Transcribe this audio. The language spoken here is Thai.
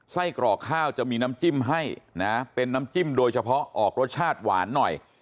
กรอกข้าวจะมีน้ำจิ้มให้นะเป็นน้ำจิ้มโดยเฉพาะออกรสชาติหวานหน่อย